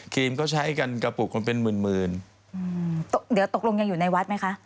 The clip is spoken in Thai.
ครีมก็ใช้กันกระปุกมันเป็นหมื่นเดี๋ยวตกลงยังอยู่ในวัดไหมคะ